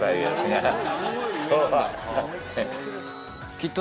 きっと。